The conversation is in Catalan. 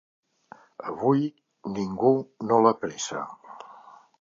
Avui ningú no l'apressa.